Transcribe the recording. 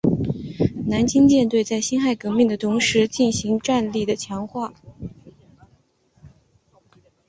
南清舰队在辛亥革命的同时进行战力的强化。